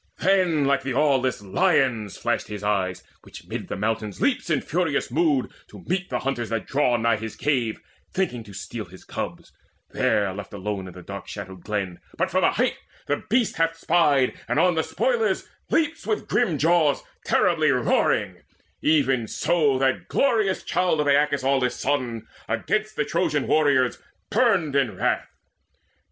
Then like the aweless lion's flashed his eyes, Which mid the mountains leaps in furious mood To meet the hunters that draw nigh his cave, Thinking to steal his cubs, there left alone In a dark shadowed glen but from a height The beast hath spied, and on the spoilers leaps With grim jaws terribly roaring; even so That glorious child of Aeacus' aweless son Against the Trojan warriors burned in wrath.